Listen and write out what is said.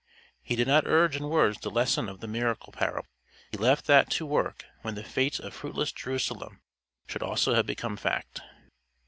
He did not urge in words the lesson of the miracle parable; he left that to work when the fate of fruitless Jerusalem should also have become fact.